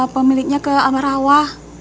pemiliknya ke amarawa